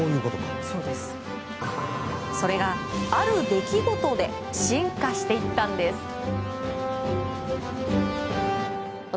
それが、ある出来事で進化していったんです。